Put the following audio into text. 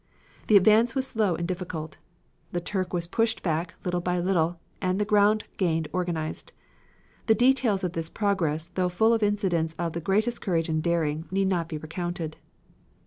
The advance was slow and difficult. The Turk was pushed back, little by little, and the ground gained organized. The details of this progress, though full of incidents of the greatest courage and daring, need not be recounted.